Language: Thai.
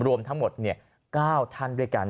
รวมนี้ก้าวท่านด้วยกัน